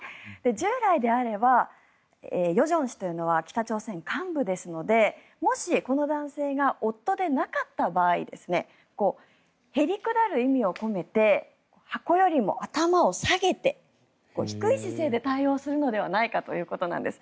従来であれば、与正氏というのは北朝鮮幹部ですのでもし、この男性が夫でなかった場合へりくだる意味を込めて箱よりも頭を下げて低い姿勢で対応するのではないかということなんです。